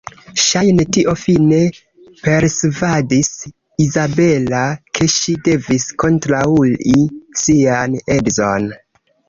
Ŝajne tio fine persvadis Izabela ke ŝi devis kontraŭi sian edzon.